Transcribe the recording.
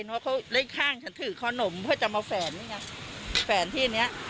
ว่าเขาเล่นข้างฉันถือขนมเพื่อจะมาแฝนนี่ไงแฝนที่เนี้ย